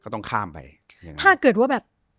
ถ้าเกิดว่าแบบ